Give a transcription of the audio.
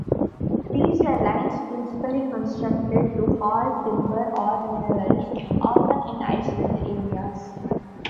These were lines principally constructed to haul timber or minerals, often in isolated areas.